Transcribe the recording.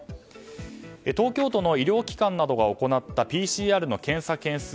東京都の医療機関などが行ったＰＣＲの検査件数。